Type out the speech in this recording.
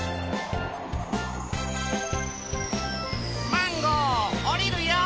マンゴーおりるよ。